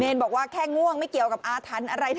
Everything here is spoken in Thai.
เหน่นบอกว่าแค่ง้วงไม่เกี่ยวกับอาธรรมอะไรใดทั้งสิ้นนะ